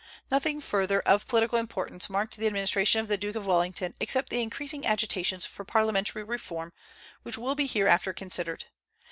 Nothing further of political importance marked the administration of the Duke of Wellington except the increasing agitations for parliamentary reform, which will be hereafter considered.